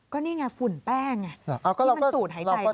ก็นี่ไงฝุ่นแป้งที่มันสูดหายใจเข้าไป